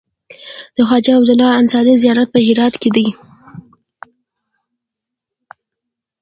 د خواجه عبدالله انصاري زيارت په هرات کی دی